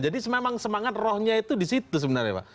jadi memang semangat rohnya itu di situ sebenarnya pak